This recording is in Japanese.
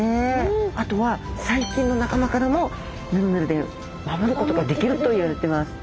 あとは細菌の仲間からもヌルヌルで守ることができるといわれてます。